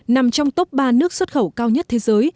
nằm trong top ba nước xuất khẩu cao nhất thế giới